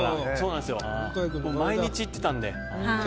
毎日行ってたんで。